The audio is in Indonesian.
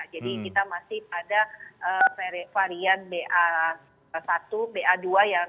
jadi kita masih pada varian ba satu ba dua